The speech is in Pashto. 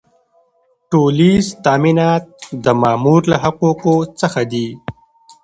ټولیز تامینات د مامور له حقوقو څخه دي.